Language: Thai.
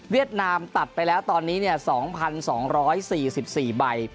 เวียดนามตัดไปแล้วตอนนี้เนี่ย๒๒๔๔ใบ